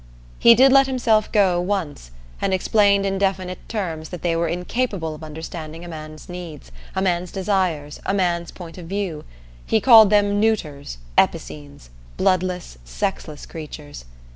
He did let himself go once, and explained in definite terms that they were incapable of understanding a man's needs, a man's desires, a man's point of view. He called them neuters, epicenes, bloodless, sexless creatures.